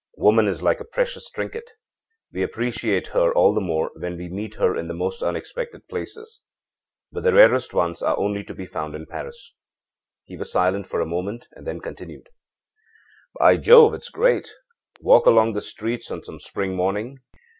âWoman is like a precious trinket, we appreciate her all the more when we meet her in the most unexpected places; but the rarest ones are only to be found in Paris.â He was silent for a moment, and then continued: âBy Jove, it's great! Walk along the streets on some spring morning.